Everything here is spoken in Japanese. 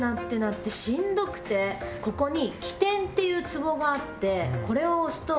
ここに。